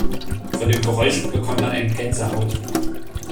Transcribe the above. Von dem Geräusch bekommt man eine Gänsehaut.